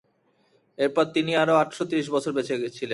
এরপর তিনি আরো আটশ ত্রিশ বছর বেঁচে ছিলেন।